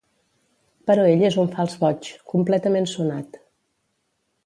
Però ell és un fals boig, completament sonat.